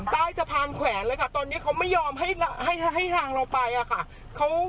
ใต้สะพานแขวนเลยค่ะตอนนี้เขาไม่ยอมให้ให้ทางเราไปอะค่ะ